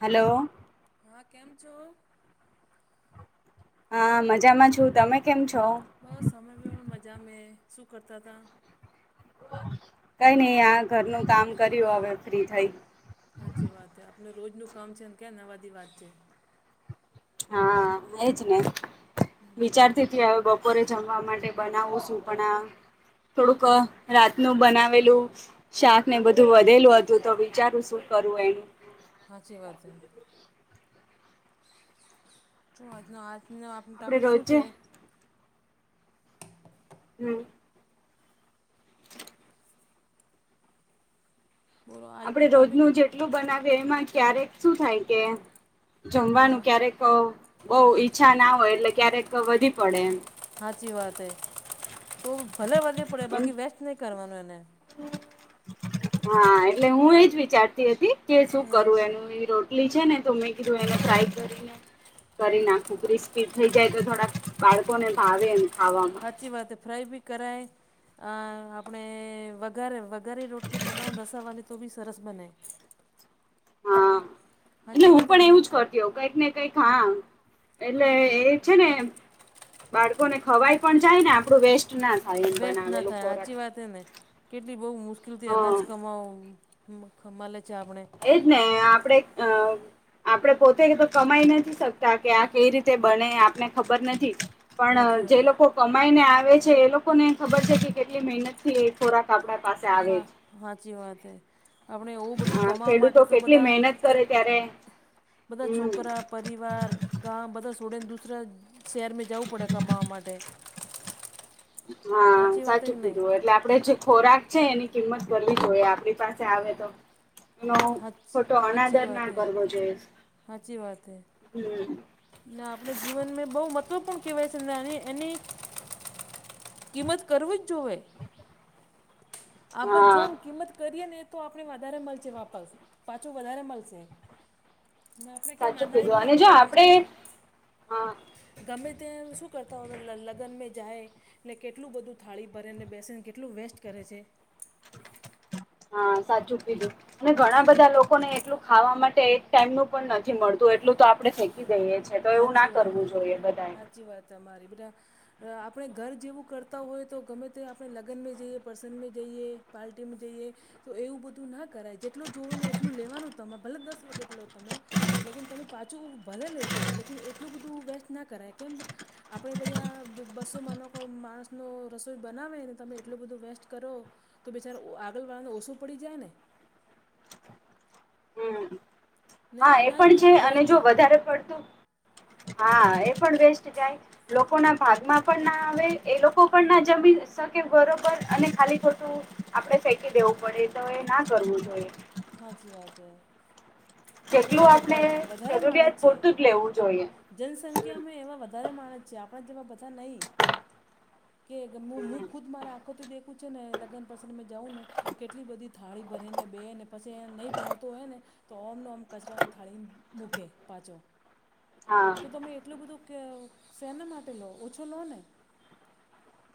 Hello. હા, કેમ છો? હા, મજામાં છું. તમે કેમ છો? બસ, અમે મજા માં શું કરતા હતા? કઈ નઈ, આ ઘરનું કામ કર્યું, હવે ફ્રી થઈ. સાચી વાત. હ, આપને રોજ ન કામ છે ને, ક્યા નવા વાત છે. હા, એજ ને, હમ વિચારતી હવે બપોરે. જમવા માટે બનાવો છું, પણ આ થોડુંક રાતનું બનાવેલું શાક ને, બધું વધેલું હતું તો, વિચારું શું કરું, એનું. સાચી વાત હ. શ આજનો આજનો આપનો આપણે ટાપિક શું રોજે છે? હમ. બોલો આપણે આજનું ટોપિક રોજનું જેટલું બનાવીએ, એમાં ક્યારેક શું થાય કે, હા જમવાનું ક્યારેક. બઉુ ઈચ્છા ના હોય, એટલે ક્યારેક વધી પડે એમ. સાચી વાત હ, તો ભલે વધે પડે, એમ બાકી વેસ્ટ નહીં કરવાનું એને. હા, એટલે હું એજ વિચારતી હતી કે, શું હા કરું? એનું રોલ. લી છે ને, તો મેં કીધું, એને ફ્રાય કરીને. કરીને, કુકરી સ્પી થઈ જાય તો, થોડાક બાળકોને ભાવેને ખાવામાં. હાચી વાત. ફ્રાય બી કરાય. આ આપણે વઘારે વઘારે રોટલી બનાવી, રસાવાળી તો બી સરસ બને. હા, એટલે સાચી હું વાત હે કે પણ એવું નહીં જ કરુ. કઈક ને કઈક હા, એટલે એ છે ને. બાળકોને ખવાય પણ જાય ને, આપણું વેસ્ટ ના થાય એમ વસ્ટ ના બનાવેલું થાય, ખોરાક સાચી વાત એ ને, કેટલી બહુ મુશ્કેલથી અનાજ હા કમાવો. મ ખમલે ચ આપણે [unintelligible] એજ ને, આપડે અ આપણે પોતે તો કમાઈ નથી શકતા, કે આ કેઈ રીતે બને, આપને ખબર નથી. પણ સાચી જે વાત લોકો કમાઈને આવે છે, એ લોકોને ખબર છે, કે કેટલી મહેનત. થી ખોરાક આપણા પાસે આવે હા છે. સાચી વાત, આપણે એવું છે બધું અ કમાવા ખેડૂતો માટે તો કેટલી બધા મહેનત કરે, ત્યારે. બધા હમ છોકરા પરિવાર, ગામ બધા છોડીને, દુસરા શેરમેં જવું પડે કમાવા માટે હા સાચી વાત હે સાચું કે નહીં કીધું હોય એટલે આપડે જે તો ખોરાક છે એની કિંમત ભરવી જોયે આપડી પાસે આવે તો એનો ખોટો સાચી અનાદરના વાત હે કરવો જોઈએ સાચી વાત હે હમ ને આપડે જીવનમેં બહુ મહત્વપૂર્ણ કહેવાય છે ને એની કિંમત કરવી જ જોવે આપણે હા જેમ કિંમત કરીએ ને તો આપને વધારે મળશે વાપસ પાછું વધારે મળશે ને આપડે કેમ સાચું અનાજ કીધું ને અને જો આપણે આપડે વેસ્ટેજ હા ગમે તેમ શું કરતા હોય લગન મેં જાય એટલે કેટલું બધું થાળી ભરે ને બેસીને કેટલું વેસ્ટ કરે છે [inaudible] હા સાચું કીધું અને ઘણા બધા લોકોને એટલું ખાવા માટે એક ટાઈમનું પણ નથી મળતું એટલું તો આપડે ફેંકી દઈએ છે તો એવું ના હાચી વાત કરવું જોઈએ બધાએ હાચી વાત તમારી બડા આપડે ઘર જેવું કરતા હોય તો ગમે તે આપડે લગનમેં જઈએ પ્રસંગમે જઈએ પાર્ટીમાં જઈએ તો એવું બધું ના કરાય જેટલું જોવું ને એટલું લેવાનું તમે ભલે દસ વખત લો તમે લેકન તમે પાછું ભલે લેતો લન એટલું બધું વેસ્ટ ના કરાય કેમ આપડે બધા બસો માનો માણસનો રસોઈ બનાવે ને તમે એટલું બધું વેસ્ટ કરો તો બિચારા આગળ વાળાને ઓછું પડી જાય ને હમ ને હા એ અનાજ પણ બહુ છે અને વેસ્ટ જો જાય વધારે પડતું હા એ પણ વેસ્ટ જાય લોકો ના ભાગમાં પણ ના આવે એ લોકો પણ ના જમી કે બરોબર અને ખાલી ખોટું આપડે ફેકી દેવું પડે તો એ ના કરવું જોઈએ હાચી વાત હે જેટલું આપણે એવા વધારે માણસ જરૂરિયાત છે પૂરતું લેવું જોઈએ જનસંખ્યા હમ મેં એવા વધારે માણસ છે આપડા જેવા બધા નહીં કે હું હમ ખુદ મારે આંખોથી દેખું છે ને લગનપ્રસંગ મેં જાઉં ને કેટલી બધી થાળી ભરી ને બેહે ને પછી એ નહી ભાવતું હોય ને તો ઓમનો આમ કચરા થાળીને મૂકે પાછો હા તો તમે એટલું ક બધું શેના માટે લો ઓછો લો ને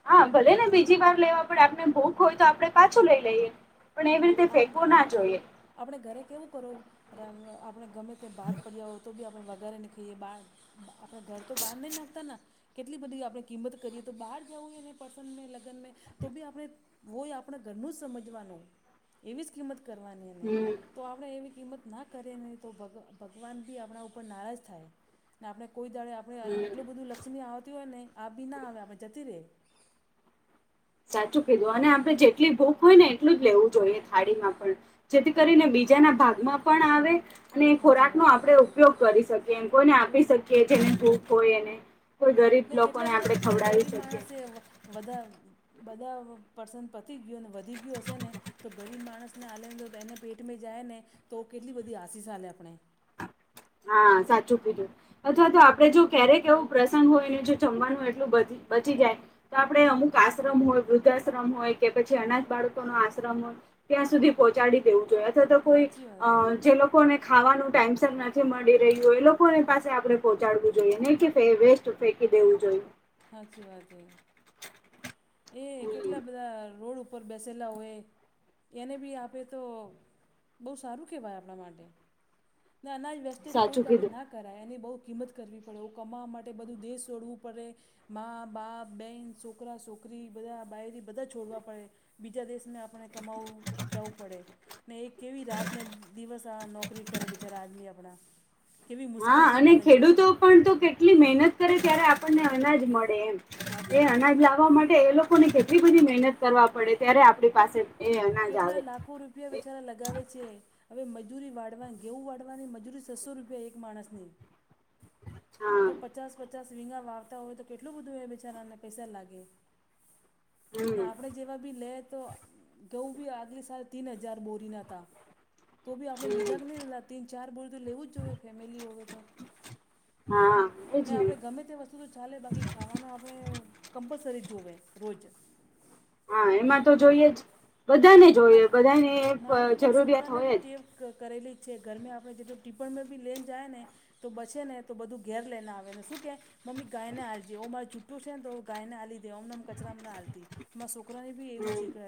હા ભલે ને બીજી વાર લેવા પડે આપને ભૂખ હોય તો આપડે પાછું લઈ લઈએ પણ એવી રીતે ફેંકવું ના જોઈએ આપણે ઘરે કેવું કરો આપણે ગમે તે બાદ પડ્યા હો તો બી આપણે વગારેને ખાઈએ બાર આપડા ઘર તો બાર નઈ નાખતા ના કેટલી બધી આપડે કિંમત કરીએ તો બહાર જવું હોને પ્રસંગમે લગનમે તો બી આપડે હોય આપડા ઘરનું જ સમજવાનું એવી જ કિંમત કરવાની એને હમ તો આપણે એવી કિંમત ના કરે ને તો ભગવાન બી આપણા ઉપર નારાજ થાય ને આપણે કોઈ દાડે આપણે હમ એટલું બધું લક્ષ્મી આવતી હોય ને આ બી ના આવે આપણે જતી રે સાચું કીધું અને આપડે જેટલી ભૂખ હોય ને એટલું જ લેવું જોઈએ થાળીમાં પણ જેથી કરીને બીજાના ભાગમાં પણ આવે અને સાચી ખોરાક નો વાત હે આપણેે ઉપયોગ કરી શકીએ કોઈને તો આપી શકીએ જેને ભૂખ હોય એને કોઈ ગરીબ કેટલા લોકોને બધા આપણે બિચારા ખવડાવી ગરીબ શકીએ. માણસે વધા બધા પર્સન પતી ગયું ને વધી ગયું હશે ને તો ગરીબ માણસને હાલેને એને પેટમાં જાય ને તો કેટલી બધી આસિસાલે આપણે હા સાચું કીધૂ અથવા તો આપડે જો ક્યારેક એવું પ્રસંગ હોય એનું જો જમવાનું એટલું બચી જાય તો આપડે અમુક આશ્રમ હોય વૃદ્ધાશ્રમ હોય કે પછી અનાજ બાળકો ન આશ્રમ હો ત્યાં સુધી પહોંચાડી દેવું જોઈએ અથવા તો કોઈ સાચી વાત અ હે જે લોકોને ખાવાનું ટટેમશન નથ મળી રહ્યું હોય લોકોની પાસે આપડે પહોંચાડવું જોઈએ નહી વેસ્ટ ફેંકી દેવું જોઈ સાચી વાત હે એ હમ કેટલા બધા રોડ ઉપર બેસેલા હોય એ એને બી આપે તો બહુ સારું કહેવાય આપણા માટે ના એના જ વેસ્ટેજ કોઈ સાચું દાડે કીધું નાખ કરાય એને બહુ કિંમત કરવી પડે કમાવા માટે બધું દેશ છોડવું પડે મા બાપ બેહેન છોકરા છોકરી બધા બાયરી બધા છોડવા પડે બીજા દેશને આપણે કમાવું જવું પડે ને એ કેવી રાતને દિવસ આ નોકરી કરે બિચારા આદમી આપણા કેવી હા મુશ્કેલથી અને મળે છે ખેડૂતો પેલો પણ તો કે કેટલી મહેનત કરે ત્યારે આપણને અનાજ મળે એમ એ સાચી વાત અનાજ લાવવા માટે એ લોકો લોકો ને કેટલી બધી મહેનત કરવા પડે ત્યારે આપણી પાસે એ અનાજ આવે કેટલા લાખો રૂપિયા એ- બીચારા લગાવે છે હવે મજૂરી વાળવા ઘેઉ વાળવાની મજૂરી છસો રૂપિયા એક માણસની હા. તો પચાસ પચાસ વીંગા વાવતા હોય તો કેટલું બધું બેચારાને પૈસા લાગે ને હમ આપણે જેવા બી લે તો કઉ બી આગલી સાલ તીન હજાર બોરી ના હતા તો બી આપણે લીધા હમ જ નહીં લીધા તીન ચાર બોરી તો લેવું જ જોઈએ ફેમિલી હોય તો હા. ને આપણે ગમે તે વસ્તુ તો ચાલે બાકી ખાવાનું આપણે કમ્પલસરી જોવેએ રોજ હા એમાં તો જોઈએ જ બધાને ના જોઈએ બધાને મારે તો પણ જરૂરિયાત છોકરાને બી હોય જ ટેવ કરેલી જ છે ઘરમે આપણે જેટલું ટીપ્પણમાં બી લઈને જાય ને તો બચે ને તો બધું ઘેર લઈને આવે ને શું કે મમ્મી ગાયને હાલજે હો મા જુઠું છે ને તો ગાય ને હા લીધે દે અમને એમ કચરામાં ના હાલતી. મા છોકરાને બી એવું હમ છે કે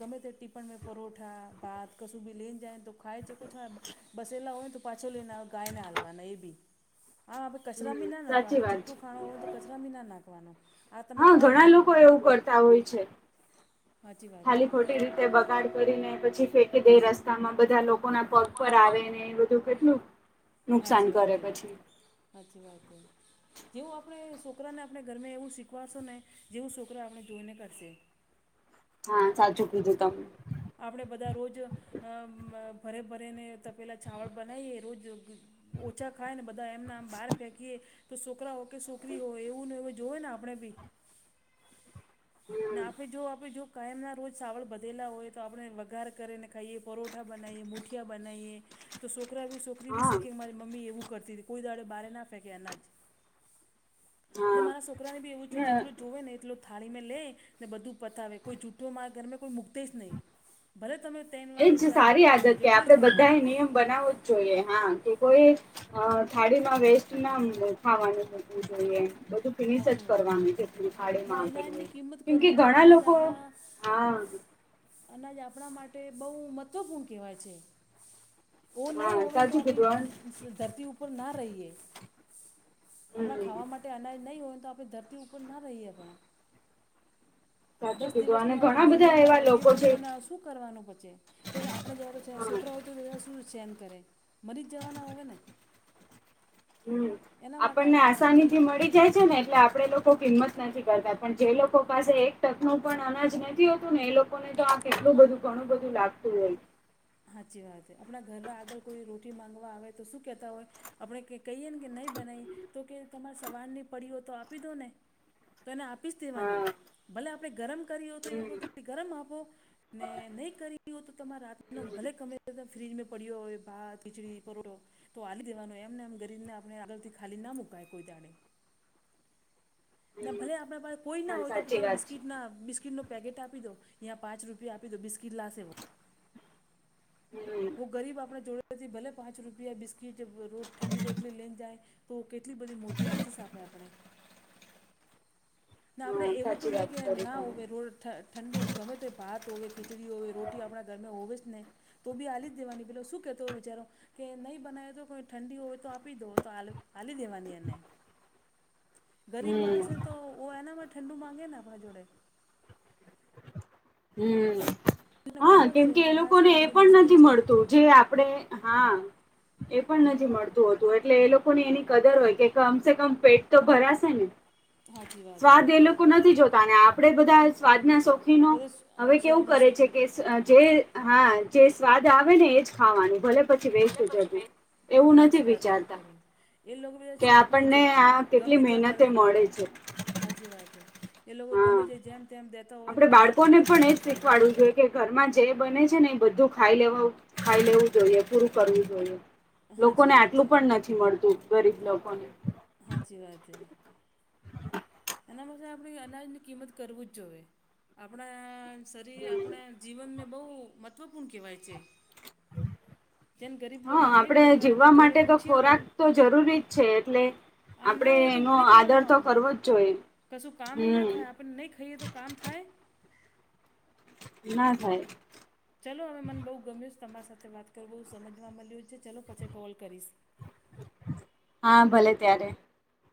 ગમે તે ટીપણમાં પરોઠા ભાત કશું બી લે જાયને તો ખાઈ ચુકો છો એમ. બસ એલા હોય તો પાછો લઈને ગાયને હાલવાના એ બી હા આપડે હમ કચરામાની ના નાખો સાચી આપડે વાત છે જૂઠું ખાણો હોય તો કચરામાંની ના નાખવાનો આ તમે હા ગાયને ઘણા હાલો લોકો એવું કરતા હોય છે. સાચી વાત. ખાલી ખોટી રીતે બગાડ કરીને પછી ફેંકી દે રસ્તામાં બધા લોકો ના પગ પર આવે ને તો કેટલું નુકસાન સાચી કરે વાત એ પછી સાચી વાત છે. જેવું આપણે છોકરાને આપણે ઘરમાં એવું શીખવાડશો ને જેવું છોકરા આપણે જોઈને કરશે. હા સાચું કીધું તમે આપણે બધા રોજ અ મ ભરે ભરેને તપેલા ચાવળ બનાવીએ રોજ ને ઓછા ખાય ને બધા એમના આમ બહાર ફેંકીએ તો છોકરાઓ કે છોકરી હોય એવું ને એવું જોય ને આપણે ભી ને હમ આપડે જો આપે જો કાયમ ના રોજ સાવળ વધેલા હોય તો આપણે વઘાર કરીને ખાઈએ પરોઠા બનાવીએ મુઠિયા બનાવીએ તો છોકરા બી છોકરા છોકરી બી હા શીખે કે મારી મમ્મી એવું કરતી હતી કોઈ દાડે બહાર ના ફેંકે અનાજ મારા હા છોકરાને બી એવું છે જેટલું જોવે ને એટલું થાળી મે લે ને બધું પતાવે કોઈ જૂઠો મારા ઘરમાં કોઈ મૂકતે જ નહીં. ભલે તમે તણ વાગે ચાર વખત લો જેટલું જ લેવાનું. બનાવુ જ જોઈએ હા કોઈએ અ થાળીમાં વેસ્ટ ના ખાવાનું મુકવું જોઈએ બધું ફિનિસ જ સાચી વાત કરવાની છે ને થાડીમાં મુકેલું હોય અનાજની કિંમત કેમ કે કરવું જોઈએ ઘણા અનાજ લોકો આપણા હા. અનાજ આપણા માટે બહુ મહત્વપૂર્ણ કહેવાય છે. ઓ નહી હા હોવે તો સાચું કીધું આપણી ધરતી ઉપર ના રહીએ. આપણા હમ ખાવા માટે અનાજ નહીં હોય ને તો આપણે ધરતી ઉપર ના રહીએ પણ સાચું દસ કીધું દિવસ ને અને આવે ઘણા મહિનો બધા ને એવા આવે બે લોકો છે મહિનોને આવે શું કરવાનું પછી. તો આપણે જેવા તો છેે હા છોકરા હોય તો બધા શું સેન કરે મરી જ જવાના હોય ને. હમ્મ એના માટે આપણને આપણે અનાજની આસાનીથી મળી છે ને એટલે આપણેે લોકો કિંમત નથી કરતા પણ જે લોકો પાસે એક ટકનું પણ અનાજ નથી હોતું ને એ લોકો લોકોને તો આ કેટલું બધું ઘણું બધું લાગતું હોય. સાચી વાત આપણા ઘરના આગળ કોઈ રોટી માંગવા આવે તો શું કેતા હોય. આપણે કહીએ ને કે નહીં બનાવી તો કે તમારે સવારની પડીઓ તો આપી દો ને. તો એને આપીશ હા દેવાની ભલે આપણે ગરમ કરી હો તો એક હમ રોટલી ગરમ આપો ને નહી કરી તો તમારે રા હમ ભલે ગમે ફ્રીજ મે પડ્યો ભાત ખીચડી પરોઠો તો આલી દેવાનું એમને એમ ગરીને આપણે આગળ થી ખાલી ના મુકાય કોઈ દાળે ના હમ ભલે આપણે પાસે કોઈ ના હા હોય તો સાચી તમે વાત બિસ્કીટ ના બિસ્કીટનો પેકેટ આપી દો યાં પાંચ રૂપિયા આપી દો બિસ્કીટ લાવશે વો હમ્મ વ ગરીબ આપણે જોયો નથી ભલે પાંચ રૂપિયા બિસ્કીટ રોજ ઠંડી રોટલી લે ને જાય. તો કેટલી બધી મોટી આંચીસ આપે આપણે ના આપડે હા એવું તો સાચી નહી વાત કે કરી ના હોવે તમે રોડ ઠંડુ ગમે તે ભાત હોય ખીચડી હોય રોટી આપણા ઘરમે હોવે જ ને તો બી હાલી જ દેવાની પેલો શું કેતો હોય બિચારો. કે નહી બનાવે તો કોઈ ઠંડી હોય તો આપી દો તો આપી દો હાલી દેવાની એને. ગરીબ માણસ હમ તો ઓ એ ના મે ઠંડુ માંગે ને આપણે જોડે હમ્મ એને હા ખબર છે કેમકે કે એ અનાજ લોકોને કેટલું એ બધું પણ મુશ્કેલ નથી છે મળે છે મળતું જે આપડણે હા એ પણ નથી મળતું હોતું એટલે એ લોકો ની એની કદર હોય કે કમ સ કમ પેટ તો ભરાશે ને સાચી વાત સ્વાદ એ લોકો નથી જોતા ને આપડે બધા સ્વાદના શોખીન બધા હવે કેવું સ્વાદના કરે છે કે શોખીન જે હા જે સ્વાદ આવે ને એજ ખાવાનું ભલે પછી વેચ જતું એવું નથી સાચી વાત એવું વિચારતા કરે એ લોકો બધા કે સ્વાદ નહીં આપણને જોતા આ કેટલી મહેનતે મળે છે સાાચી વાત છે એ લોકો ગમે હા તે જેમ તેમ દેતા હોય ને બધા ખાય ને બધા વાડવું જોઈએ કે ઘરમાં જે બને છે ને એ બધું ખાઈ લેવા ખાઈ લેવું જોઈએ પૂરું કરવું જોઈએ સાચી લોકોને વાત આટલું છે પણ નથી મળતું ગરીબ લોકોને હાચી વાત હ એના પાછ આપણી અનાજની કિંમત કરવું જ જોઈએ આપણા શરીર હમ આપણા જીવન મે બહુ મહત્વપૂર્ણ કહેવાય છે હમ્મ જેને ગરીબ હા લોકોને નહીં આપડે મળતો હોય જીવવા એને જોડે માટે તો પૂછ્યા હો ખોરાક તો જરૂરી જ છે એટલે આ ના આપડે હોય તો એનો મરી આદર જવાનું તો આપણે કરવો જ જોઈએ કશું કામ ના થાય હમ આપને નહી ખાઈએ તો કામ થાય ના થાય ચલો અવે મને બહુ ગમ્યું છે તમારી સાથે વાત કરું બહુ સમજમાં મળ્યું છે ચલો પછી કોલ કરીશ હા ભલે ત્યારે